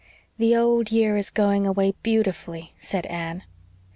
"The old year is going away beautifully," said Anne.